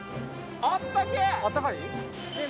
あったけぇ！